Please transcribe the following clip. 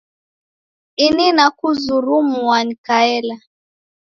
Ini nakuzurumua nikaela.